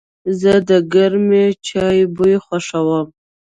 زه د گرمې چای بوی خوښوم.